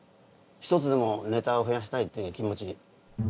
１つでもネタを増やしたいっていう気持ち。